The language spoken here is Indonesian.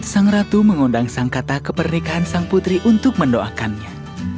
sang ratu mengundang sang kata ke pernikahan sang putri untuk mendoakannya